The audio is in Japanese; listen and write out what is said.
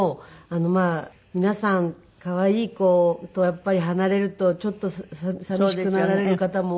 まあ皆さん可愛い子とやっぱり離れるとちょっと寂しくなられる方も多いですし。